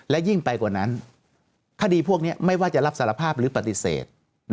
และยิ่งไปกว่านั้นคดีพวกนี้ไม่ว่าจะรับสารภาพหรือปฏิเสธ